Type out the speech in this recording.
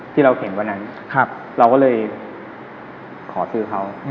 ที่เราเห็นวันนั้นเราก็เลยขอซื้อเขา